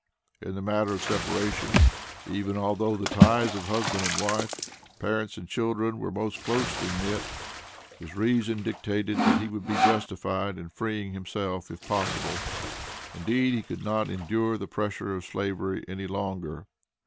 In the matter of separation, even although the ties of husband and wife, parents and children were most closely knit, his reason dictated that he would be justified in freeing himself if possible; indeed, he could not endure the pressure of Slavery any longer.